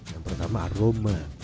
yang pertama aroma